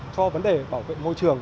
cho vấn đề bảo vệ môi trường